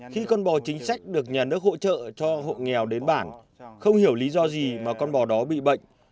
khi con bò chính sách được nhà nước hỗ trợ cho hộ nghèo đến bản không hiểu lý do gì mà con bò đó bị bệnh